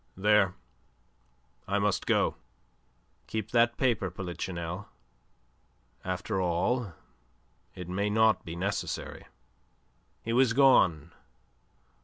"There, I must go. Keep that paper, Polichinelle. After all, it may not be necessary." He was gone.